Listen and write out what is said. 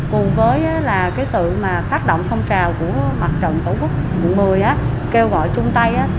cùng với sự phát động phong trào của mặt trận tổ quốc quận một mươi kêu gọi chung tay